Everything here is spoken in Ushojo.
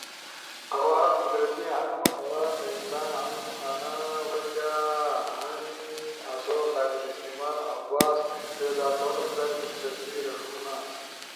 آواز قدرتی ہنو، آواز د انسان ہنو، انا وجہ ہنی آسو قابل استعمال آواز پیدا تھونو در دلچسپی رݜونا!